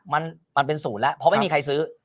มันเป็นศูนย์แล้วเพราะไม่มีใครซื้อ